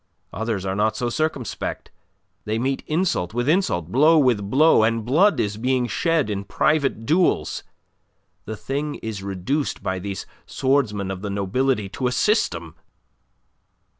Others are not so circumspect; they meet insult with insult, blow with blow, and blood is being shed in private duels. The thing is reduced by these swordsmen of the nobility to a system."